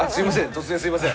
突然すいません。